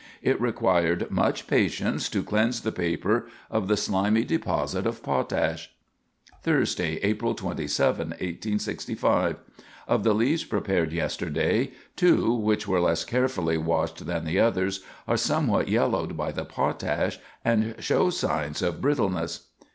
It required much patience to cleanse the paper of the slimy deposit of potash. "Thursday, April 27, 1865. Of the leaves prepared yesterday, two, which were less carefully washed than the others, are somewhat yellowed by the potash and show signs of brittleness.